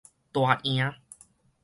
大贏